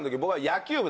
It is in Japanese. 野球部！